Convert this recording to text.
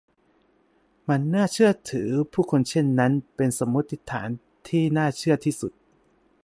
มันน่าเชื่อถือผู้คนเช่นนั้น เป็นสมมติฐานที่น่าเชื่อที่สุด